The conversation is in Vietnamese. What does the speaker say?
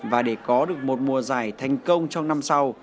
và để có được một mùa giải thành công trong năm sau